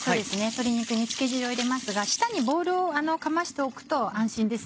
鶏肉に漬け汁を入れますが下にボウルをかましておくと安心です。